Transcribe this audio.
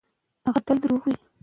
د هوتکو حکومت لنډ خو ویاړلی و.